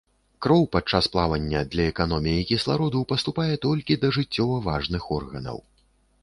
Кроў падчас плавання для эканоміі кіслароду паступае толькі да жыццёва важных органаў.